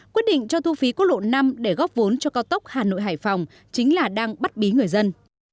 quyết định cho thu phí quốc lộ năm để góp vốn cho cao tốc hà nội hải phòng chính là đang bắt bí người dân